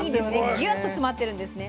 ギュッと詰まってるんですね。